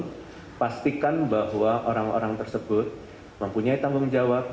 harus pastikan bahwa orang orang tersebut mempunyai tanggung jawab